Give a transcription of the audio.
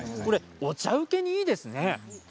お茶うけにいいですね。